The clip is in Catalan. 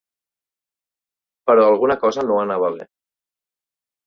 Però alguna cosa no anava bé.